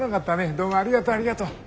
どうもありがとうありがとう。